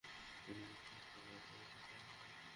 শুধু আমার নির্দেশ অনুযায়ী চল।